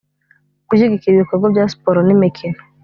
gushyigikira ibikorwa bya siporo n imikino